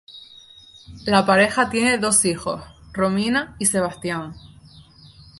La pareja tiene dos hijos, Romina y Sebastián.